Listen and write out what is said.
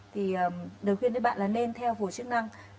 thì đối khuyên với bạn là nên theo phù hợp chức năng